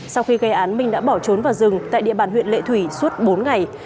sau khi gây án minh đã bỏ trốn vào rừng tại địa bàn huyện lệ thủy suốt bốn ngày